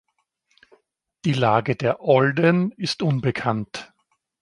Die Lage der "Olden" ist unbekannt.